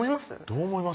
どう思います？